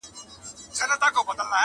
پلونو د تڼاکو مي بیابان راسره وژړل-